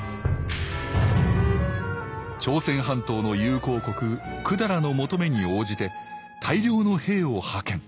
朝鮮半島の友好国百済の求めに応じて大量の兵を派遣。